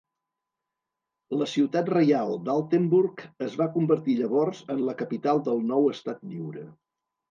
La ciutat reial d'Altenburg es va convertir llavors en la capital del nou Estat Lliure.